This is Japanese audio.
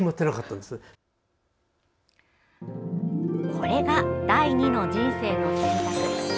これが第２の人生の選択。